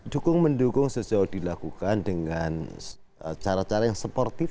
dukung mendukung sejauh dilakukan dengan cara cara yang sportif